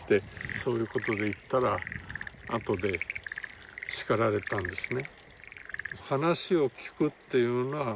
そういうことで言ったらあとで叱られたんですね。